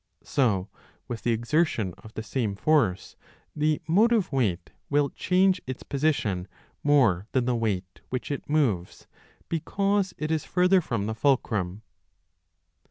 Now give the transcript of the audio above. So with the exertion of ,,, 5 thesameforce themotive / weight will change its position more than the weight which it moves, because it is further from the fulcrum.